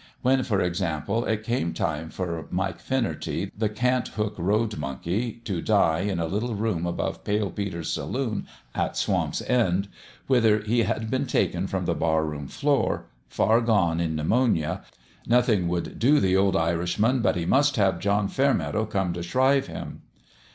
When, for example, it came time for Mike Finnerty, the Cant hook road monkey, to die in a little room above Pale Peter's saloon at Swamp's End, whither he had been taken from the barroom floor, far gone in pneumonia, noth ing would do the old Irishman but he must have John Fairmeadow come to shrive him.